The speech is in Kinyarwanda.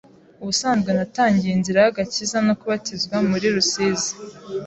Ubusanzwe natangiye inzira y’agakiza no kubatizwa mu ( Rusizi)